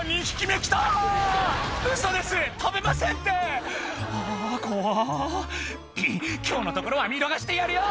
「き今日のところは見逃してやるよ！」